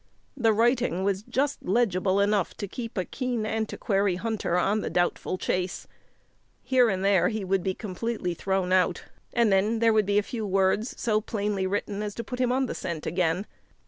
The writing was just legible enough to keep a keen antiquity hunter on a doubtful chase; here and there he would be completely thrown out, and then there would be a few words so plainly written as to put him on the scent again.